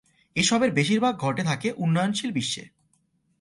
এসবের বেশিরভাগ ঘটে থাকে উন্নয়নশীল বিশ্বে।